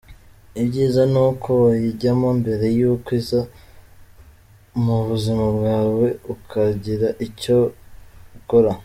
Ibyiza ni uko wayijyamo mbere y’uko iza mu buzima bwawe, ukagira icyo ukora.